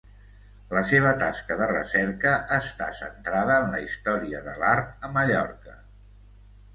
La seva tasca de recerca està centrada en la història de l'art a Mallorca.